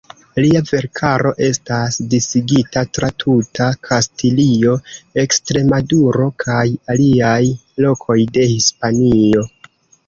Lia verkaro estas disigita tra tuta Kastilio, Ekstremaduro kaj aliaj lokoj de Hispanio.